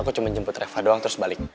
aku cuma jemput reva doang terus balik